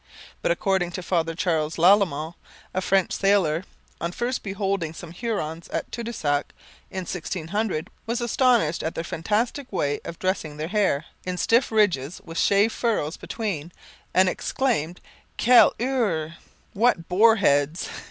But according to Father Charles Lalemant, a French sailor, on first beholding some Hurons at Tadoussac in 1600, was astonished at their fantastic way of dressing their hair in stiff ridges with shaved furrows between and exclaimed 'Quelles hures!' what boar heads!